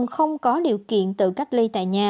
không có điều kiện tự cách ly